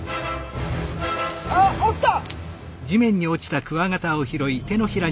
あっ落ちた！